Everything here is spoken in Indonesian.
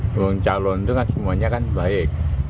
calon calon itu kan semuanya kan baik